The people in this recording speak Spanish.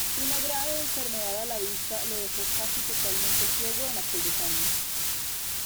Una grave enfermedad a la vista le dejó casi totalmente ciego en aquellos años.